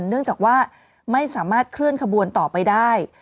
เนื่องจากว่าไม่สามารถเคลื่อนขบวนต่อไปได้